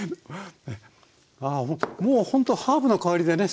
ああもうほんとハーブの香りでね